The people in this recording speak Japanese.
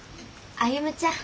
歩ちゃん。